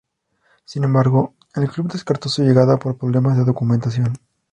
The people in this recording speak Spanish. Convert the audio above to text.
Sin embargo, el club descartó su llegada por problemas de documentación.